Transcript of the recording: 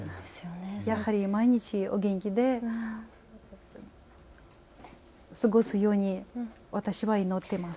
やはり毎日、お元気で過ごすように私は祈っています。